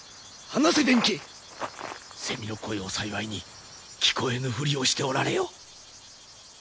せみの声を幸いに聞こえぬふりをしておられよ。